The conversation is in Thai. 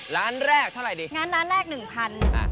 ร้านแรกเท่าไรดีงั้นร้านแรก๑๐๐๐บาท